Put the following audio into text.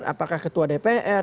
apakah ketua dpr